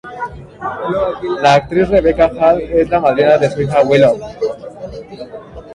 La actriz Rebecca Hall es la madrina de su hija Willow.